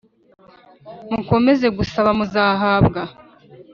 Mukomeze gusaba muzahabwa